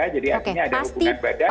jadi artinya ada hubungan badan